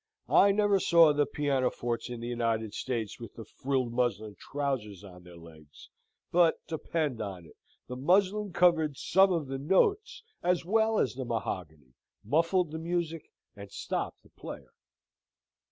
I never saw the pianofortes in the United States with the frilled muslin trousers on their legs; but, depend on it, the muslin covered some of the notes as well as the mahogany, muffled the music, and stopped the player.